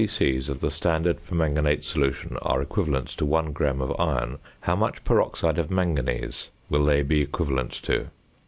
c. of the standard permanganate solution are equivalent to 1 gram of iron, how much peroxide of manganese will they be equivalent to?"